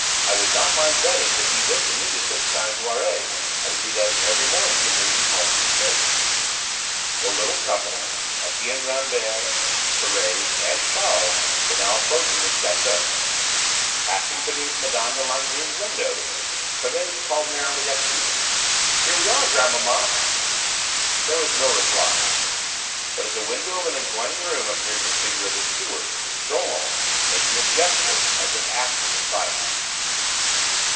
I would not mind betting he went to meet us at Saint Jaury, as he does every morning to bring me home from church." The little company, Etienne Rambert, Thérèse and Charles, were now approaching the château. Passing beneath Mme. de Langrune's windows Thérèse called merrily up to them. "Here we are, grandmamma!" There was no reply. But at the window of an adjoining room appeared the figure of the steward, Dollon, making a gesture, as if asking for silence.